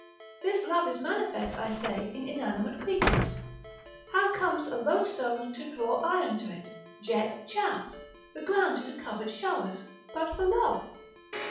This love is manifest, I say, in inanimate creatures. How comes a loadstone to draw iron to it? jet chaff? the ground to covet showers, but for love?